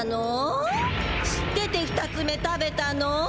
知っててふたつめ食べたの！？